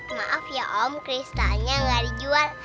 maaf ya om kristanya gak dijual